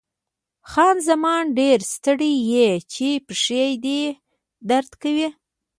خان زمان: ډېر ستړی یې، چې پښې دې درد کوي؟